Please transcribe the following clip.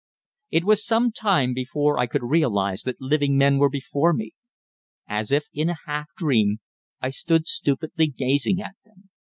It was some time before I could realise that living men were before me. As if in a half dream, I stood stupidly gazing at them.